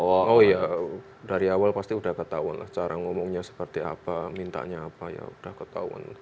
oh iya dari awal pasti udah ketahuan lah cara ngomongnya seperti apa mintanya apa ya udah ketahuan